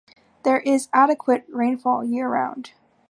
There is adequate rainfall year-round.